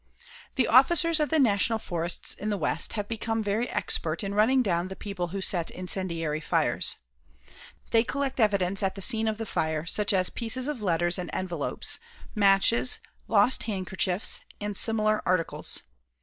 The officers of the National Forests in the West have become very expert in running down the people who set incendiary fires. They collect evidence at the scene of the fire, such as pieces of letters and envelopes, matches, lost handkerchiefs and similar articles.